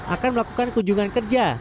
akan melakukan kunjungan kerja